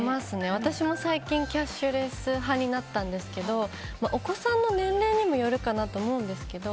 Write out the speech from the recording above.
私も最近キャッシュレス派になったんですけどお子さんの年齢にもよるかなと思うんですけど